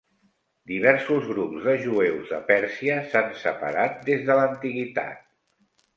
Diversos grups de jueus de Pèrsia s'han separat des de l'antiguitat.